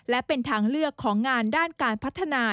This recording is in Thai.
และเป็นทางเลือกของงานด้านการพัฒนา